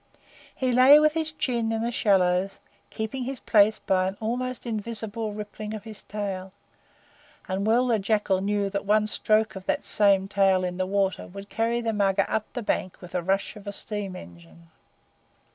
He lay with his chin in the shallows, keeping his place by an almost invisible rippling of his tail, and well the Jackal knew that one stroke of that same tail in the water would carry the Mugger up the bank with the rush of a steam engine.